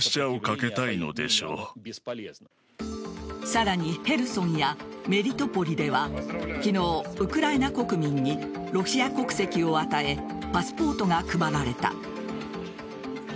さらにヘルソンやメリトポリでは昨日、ウクライナ国民にロシア国籍を与えパスポートが配られた。